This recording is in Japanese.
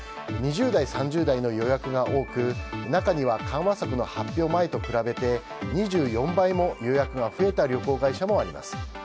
２０代、３０代の予約が多く中には緩和策の発表前と比べて２４倍も予約が増えた旅行会社もあります。